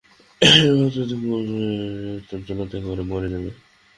এইরূপ ভাবতে ভাবতে দেখবি মনের চঞ্চলতা একাবারে মরে যাবে।